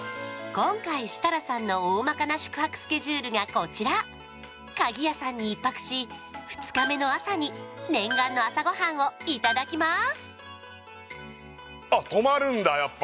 今回設楽さんのおおまかな宿泊スケジュールがこちらかぎやさんに１泊し２日目の朝に念願の朝ごはんをいただきます